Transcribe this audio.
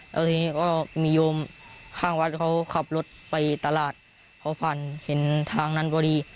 แล้วทีนี้ก็มีโยมข้างวัดเขาขับรถไปตลาดเขาผ่านเห็นทางนั้นพอดี